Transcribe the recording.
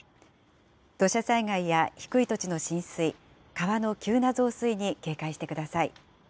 土砂災害や低い土地の浸水、川の急な増水に警戒してください。